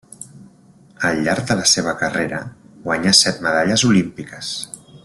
Al llarg de la seva carrera guanyà set medalles olímpiques.